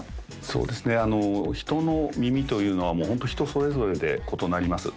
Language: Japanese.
そうですね人の耳というのはもうホント人それぞれで異なります